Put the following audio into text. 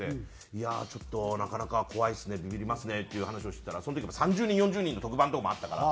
「いやあちょっとなかなか怖いですねビビりますね」っていう話をしてたらその時３０人４０人の特番とかもあったから。